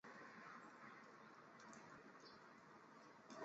八列平藓为平藓科平藓属下的一个种。